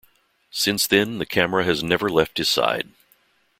Since then, the camera has never left his side.